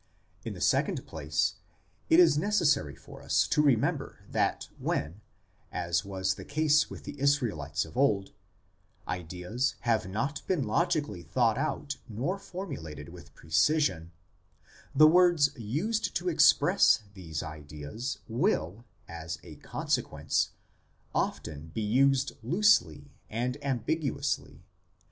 In the second place, it is necessary for us to remember that when, as was the case with the Israelites of old, ideas have not been logically thought out nor formulated with precision, the words used to express these ideas will, as a consequence, often be used loosely and ambiguously.